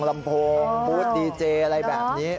ลำโพงบูธดีเจอะไรแบบนี้